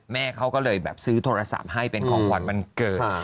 แม่เขาก็เลยแบบซื้อโทรศัพท์ให้เป็นของขวัญวันเกิด